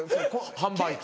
販売機。